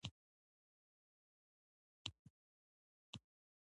په فارسي ژبه کلمات ادا کړل.